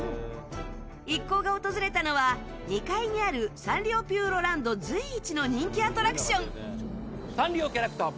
一行が訪れたのは、２階にあるサンリオピューロランド随一の人気アトラクション。